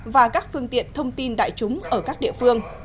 và các phương tiện thông tin đại chúng ở các địa phương